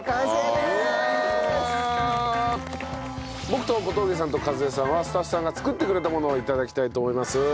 僕と小峠さんと一枝さんはスタッフさんが作ってくれたものを頂きたいと思います。